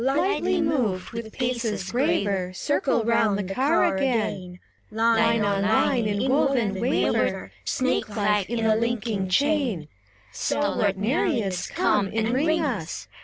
SIRENS. Lightly moved, with paces graver, Circle round the car again ; Line on line inwoven, waver Snake like in a linking chain, — Stalwart Nereids, come, enring us.